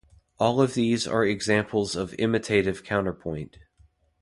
All of these are examples of imitative counterpoint.